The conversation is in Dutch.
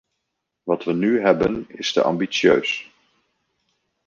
Wat we nu hebben is te ambitieus.